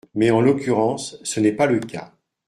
Mais, en l’occurrence, ce n’est pas le cas.